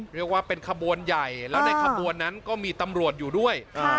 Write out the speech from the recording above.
เรียกว่าเป็นขบวนใหญ่แล้วในขบวนนั้นก็มีตำรวจอยู่ด้วย